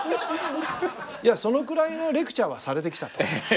いやそのくらいのレクチャーはされてきたと。